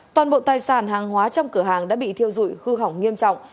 động tài sản hàng hóa trong cửa hàng đã bị thiêu dụi khư hỏng nghiêm trọng